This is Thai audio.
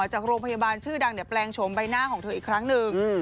จากโรงพยาบาลชื่อดังแปลงโฉมใบหน้าของเธออีกครั้งหนึ่ง